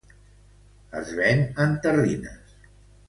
Es ven en terrines.